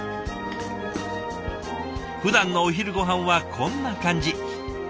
ふだんのお昼ごはんはこんな感じ。